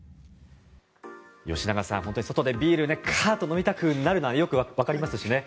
吉永さん、外でビールをカッと飲みたくなるのはよくわかりますしね。